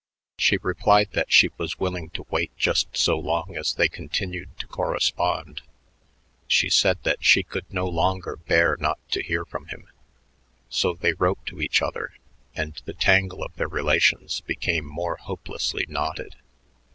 She replied that she was willing to wait just so long as they continued to correspond; she said that she could no longer bear not to hear from him. So they wrote to each other, and the tangle of their relations became more hopelessly knotted.